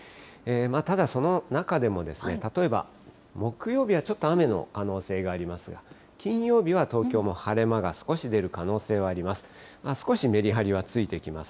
ただその中でも、例えば、木曜日はちょっと雨の可能性がありますが、金曜日は東京も晴れ間が少し出る可能性はあります。